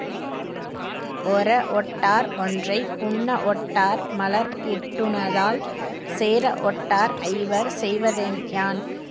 ஒரஒட் டார் ஒன்றை உன்னஒட் டார் மலர் இட்டுனதாள் சேரஒட் டார்ஐவர் செய்வதென் யான்?